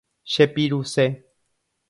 Chepiruse.